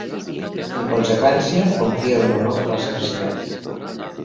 En conseqüència, confio en l'honor de la seva senyoria.